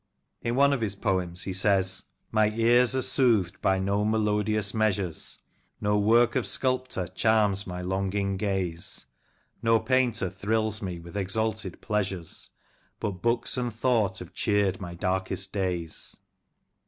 In one of his poems he says: —My ears are soothed by no melodious measures, No work of sculptor charms my longing gaze, No painter thrills me with exalted pleasures, But books and thought have cheered my darkest days.